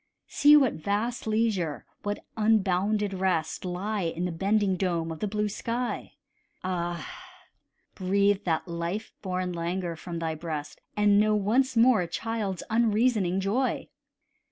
See what vast leisure, what unbounded rest, Lie in the bending dome of the blue sky: Ah! breathe that life born languor from thy breast, And know once more a child's unreasoning joy.